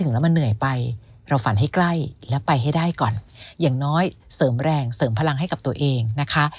แล้วไปให้ได้ก่อนอย่างน้อยเสริมแรงเสริมพลังให้กับตัวเองนะคะ